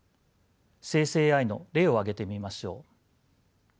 生成ＡＩの例を挙げてみましょう。